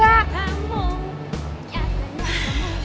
tapi yang jelas